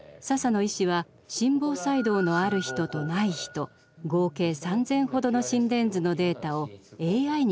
笹野医師は心房細動のある人とない人合計３，０００ほどの心電図のデータをＡＩに学習させました。